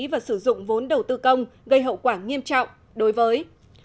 và sử dụng vốn đầu tư công gây hậu quả nghiêm trọng đối với